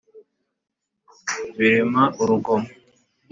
birema urugomo